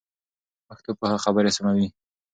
پښتو پوهه خبري سموي.